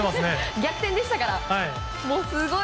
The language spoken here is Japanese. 逆転でしたからすごい。